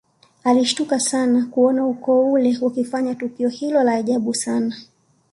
Alishtuka sana kuona ukoo ule ukifanya tukio hilo la ajabu sana